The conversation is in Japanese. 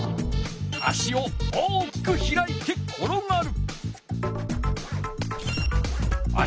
足を大きく開いてころがる。